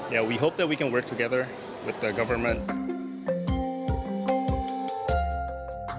kami berharap kita bisa bekerja bersama dengan pemerintah